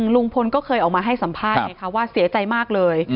ลุงพลก็เคยออกมาให้สัมภาษณ์ไงคะว่าเสียใจมากเลย